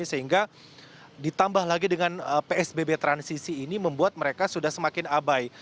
sehingga ditambah lagi dengan psbb transisi ini membuat mereka sudah semakin abai